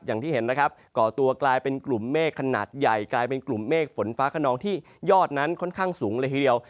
อย่างที่เห็นนะครับก่อตัวกลายเป็นกลุ่มเมฆขนาดใหญ่กลายเป็นกลุ่มเมฆฝนฟ้าขนองที่ยอดนั้นค่อนข้างสูงเลยทีเดียว